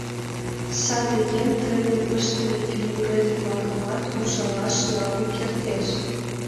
Саде еҥ тыйын ыштыме фигурет-влакымат ужалаш налын кертеш.